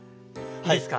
いいですか？